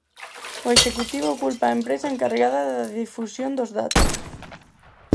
O executivo culpa a empresa encargada da difusión dos datos.